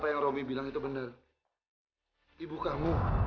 ya yuli benci sama bapak